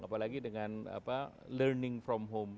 apalagi dengan learning from home